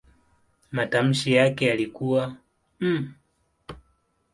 Matamshi yake yalikuwa "m".